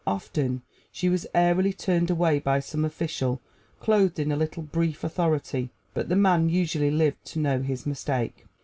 Often she was airily turned away by some official clothed in a little brief authority, but the man usually lived to know his mistake.